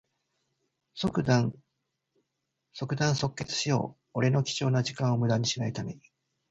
即断即決しよう。俺の貴重な時間をむだにしない為に。